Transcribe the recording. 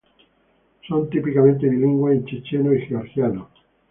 Son típicamente bilingües en checheno y georgiano.